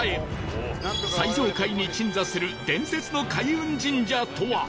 最上階に鎮座する伝説の開運神社とは？